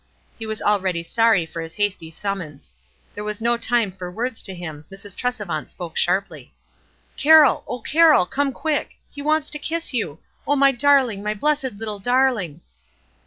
He was already sorry for his hasty summons. There was no time for words to him. Mrs. Tresevant spoke sharply. w Carroll ! O Carroll, come quick ! He wants to kiss you. Oh, my darling, my blessed little darling